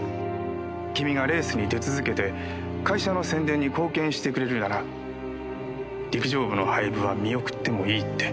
君がレースに出続けて会社の宣伝に貢献してくれるなら陸上部の廃部は見送ってもいいって。